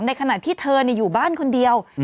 ขณะที่เธออยู่บ้านคนเดียว